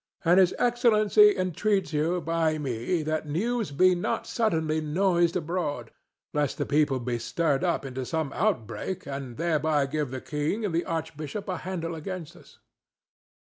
And His Excellency entreats you by me that the news be not suddenly noised abroad, lest the people be stirred up unto some outbreak, and thereby give the king and the archbishop a handle against us."